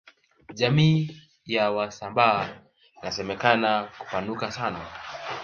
jamii ya wasambaa inasemekana kupanuka sana